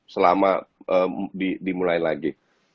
selama dimulai lagi